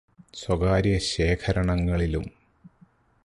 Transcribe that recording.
സ്വകാര്യ ശേഖരണങ്ങളിലും